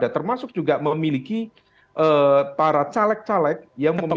termasuk juga memiliki para caleg caleg yang memiliki